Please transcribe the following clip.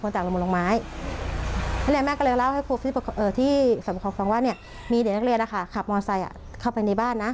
ก็เลยแม่ก็เลยเล่าให้ครูที่สำเคาะฟังว่าเนี่ยมีเด็กนักเรียนนะคะขับมอไซค์เข้าไปในบ้านนะ